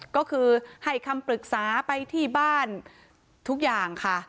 ก็คือให้คำปรึกษาไปที่บ้านทุกอย่างค่ะ